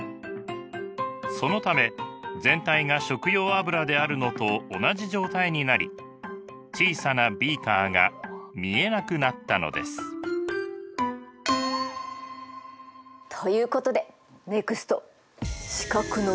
そのため全体が食用油であるのと同じ状態になり小さなビーカーが見えなくなったのです。ということでネクスト視覚の不思議マジック！